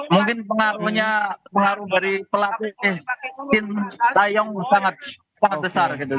mungkin pengaruh dari pelatih tim taeyong sangat besar gitu